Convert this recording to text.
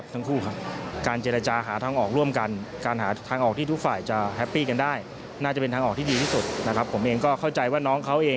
ฟังทุกความได้บอกไหมคะว่าเขารักสาวของใครหรือว่าอย่างไร